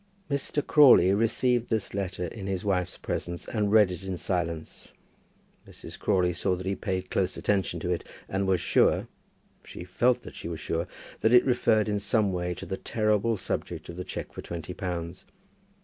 Mr. Crawley received this letter in his wife's presence, and read it in silence. Mrs. Crawley saw that he paid close attention to it, and was sure, she felt that she was sure, that it referred in some way to the terrible subject of the cheque for twenty pounds.